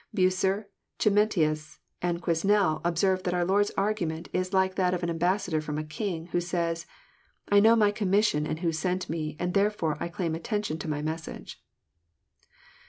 Bucer, Chcmuitius, and Quesnel observe that our Lord's argument is like that of an ambassador fVom a king, who says, — *^I know my commission and Who sent Me, and therefore I claim attention to my message."